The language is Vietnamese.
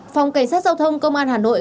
phòng cảnh sát giao thông công an hà nội